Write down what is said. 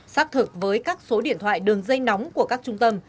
xác thực với các số điện thoại đường dây nóng của các trung tâm